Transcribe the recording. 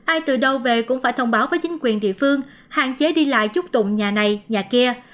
ai từ đâu về cũng phải thông báo với chính quyền địa phương hạn chế đi lại chút tụng nhà này nhà kia